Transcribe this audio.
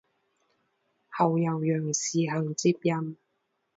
后由杨时行接任。